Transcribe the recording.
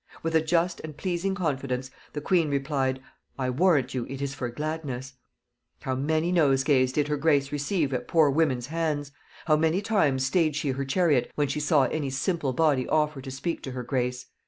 With a just and pleasing confidence, the queen replied, 'I warrant you it is for gladness,'" "How many nosegays did her grace receive at poor women's hands! How many times staid she her chariot when she saw any simple body offer to speak to her grace!